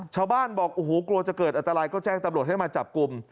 ชาวบ้านบอกโอ้โหกลัวจะเกิดอันตรายก็แจ้งตำรวจให้มาจับกลุ่ม